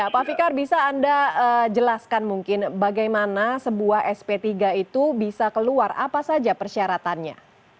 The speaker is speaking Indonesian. pak fikar bisa anda jelaskan mungkin bagaimana sebuah sp tiga itu bisa keluar apa saja persyaratannya